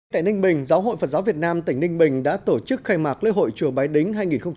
tại ninh bình giáo hội phật giáo việt nam tỉnh ninh bình đã tổ chức khai mạc lễ hội chùa bái đính hai nghìn một mươi chín